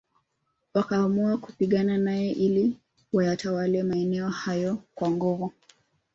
Wakaamua kupigana nae ili wayatawale maeneo hayo kwa nguvu